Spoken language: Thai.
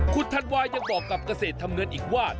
คุณธันวายังบอกกับเกษตรทำเงินอีกว่า